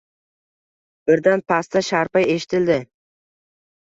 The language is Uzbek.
Birdan pastda sharpa eshitildi.